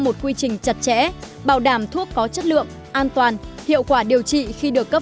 một quy trình chặt chẽ bảo đảm thuốc có chất lượng an toàn hiệu quả điều trị khi được cấp